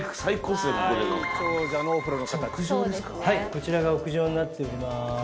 こちらが屋上になっております。